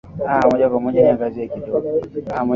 aa moja kwa moja niangazie kidogo